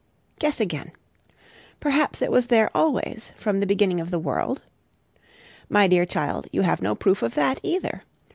Guess again. Perhaps it was there always, from the beginning of the world? My dear child, you have no proof of that either.